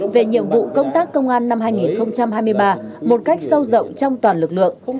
về nhiệm vụ công tác công an năm hai nghìn hai mươi ba một cách sâu rộng trong toàn lực lượng